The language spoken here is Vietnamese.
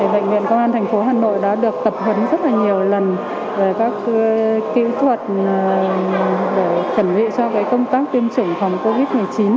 bệnh viện công an tp hà nội đã được tập huấn rất là nhiều lần về các kỹ thuật để khẩn vị cho công tác tiêm chủng phòng covid một mươi chín